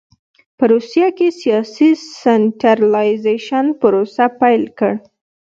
په روسیه کې سیاسي سنټرالایزېشن پروسه پیل کړ.